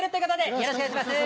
よろしくお願いします。